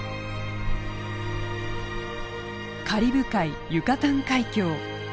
カリブ海ユカタン海峡。